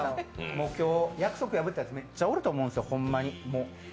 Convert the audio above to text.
もう今日、約束破ったやついっぱいおると思うんですよ。